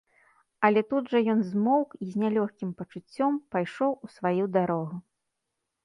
Але тут жа ён змоўк і з не лёгкім пачуццём пайшоў у сваю дарогу.